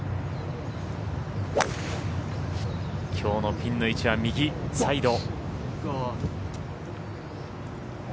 きょうのピンの位置は右サイド。